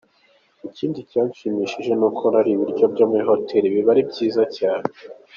Ikindi cyanshimishije ni uko nariye ibiryo byo muri hotei… biba ari byiza cyane.